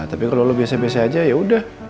tapi kalau kamu biasa biasa saja ya sudah